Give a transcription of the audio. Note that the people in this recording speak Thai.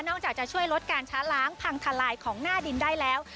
จากจะช่วยลดการช้าล้างพังทลายของหน้าดินได้แล้ว